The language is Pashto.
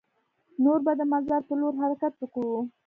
نور به د مزار په لور حرکت وکړو.